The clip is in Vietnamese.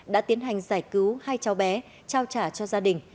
đã tiến hành giải cứu hai cháu bé trao trả cho gia đình